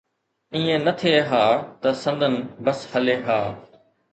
ائين نه ٿئي ها ته سندن بس هلي ها.